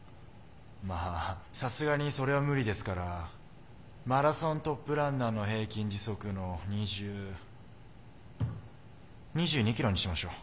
まあさすがにそれは無理ですからマラソントップランナーの平均時速の２０２２ｋｍにしましょう。